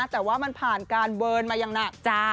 แต่ว่ามันผ่านการเวิร์นมาอย่างหนักจ้า